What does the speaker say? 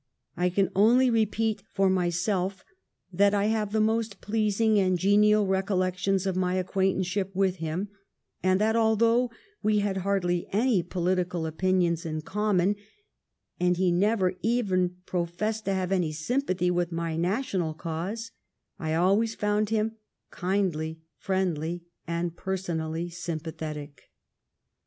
I can only repeat for myself that I have the most pleasing and genial recollections of my acquaint anceship with him, and that although we had hardly any political opinions in common, and he never even professed to have any sympathy with my national cause, I always found him kindly, friendly, and personally sympathetic.